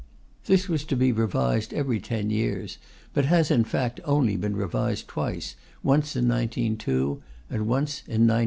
This was to be revised every ten years, but has in fact only been revised twice, once in 1902 and once in 1918.